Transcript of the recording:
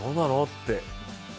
って。